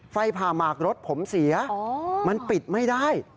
ผ่าหมากรถผมเสียมันปิดไม่ได้